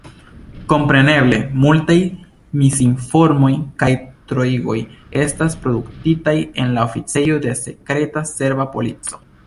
Kompreneble, multaj misinformoj kaj troigoj estas produktitaj en la oficejoj de sekreta serba polico.